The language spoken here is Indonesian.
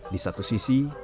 di satu sisi